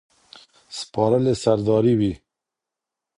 سپارلې سرداري وي